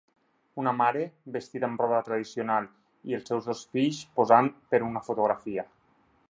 Una mare, vestida amb roba tradicional, i els seus dos fills posant per una fotografia.